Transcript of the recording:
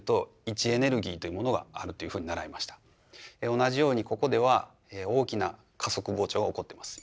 同じようにここでは大きな加速膨張が起こってます。